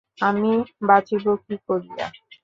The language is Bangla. আমি বাঁচিব কি করিয়া!